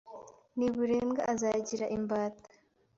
N'i Burembwa azigira imbata